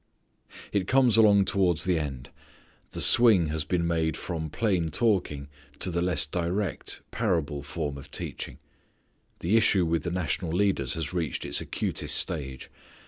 It comes along towards the end. The swing has been made from plain talking to the less direct, parable form of teaching. The issue with the national leaders has reached its acutest stage.